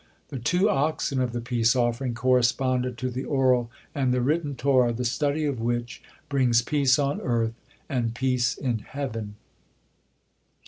The two oxen of the peace offering corresponded to the oral and the written Torah, the study of which brings peace on earth and peace in heaven.